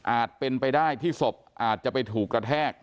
เป็นไปได้ที่ศพอาจจะไปถูกกระแทก